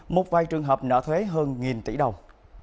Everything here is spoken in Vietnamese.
một vai trường hợp nợ thuế hơn một tỷ đồng